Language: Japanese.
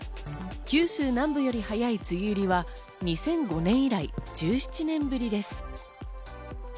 九州南部より早い梅雨入りは２００５年以来１７年ぶりです。